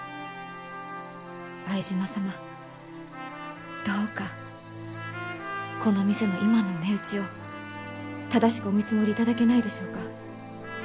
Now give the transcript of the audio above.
相島様どうかこの店の今の値打ちを正しくお見積もりいただけないでしょうか？